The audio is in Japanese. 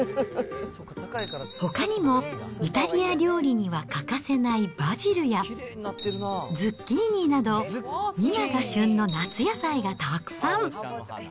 ほかにもイタリア料理には欠かせないバジルや、ズッキーニなど、今が旬の夏野菜がたくさん。